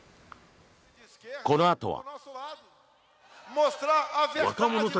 このあとは。